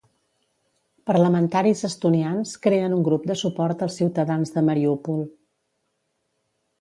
Parlamentaris estonians creen un grup de suport als ciutadans de Mariúpol.